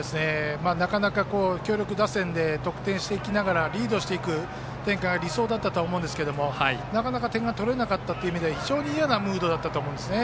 なかなか、強力打線で得点していきながらリードしていく展開が理想だったと思いますがなかなか点が取れなかったので非常に嫌なムードだったと思うんですね。